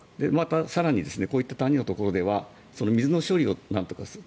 更に、こういった谷のところでは水の処理をなんとかする。